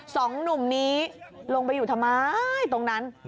สองหนุ่มนี้ลงไปอยู่ทำไมตรงนั้น